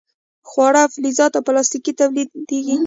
خواړه او فلزات او پلاستیک تولیدیږي.